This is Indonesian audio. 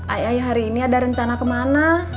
ai ai hari ini ada rencana kemana